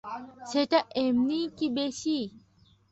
সেটা এমনিই কি বেশি?